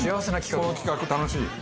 この企画楽しい。